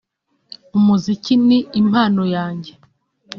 Umuziki ni impano yanjye